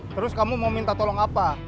terus kamu mau minta tolong apa